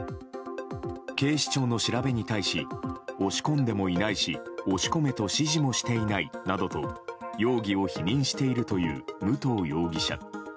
警視庁の調べに対し押し込んでもいないし押し込めと指示もしていないなどと容疑を否認しているという武藤容疑者。